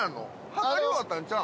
測り終わったんちゃうん？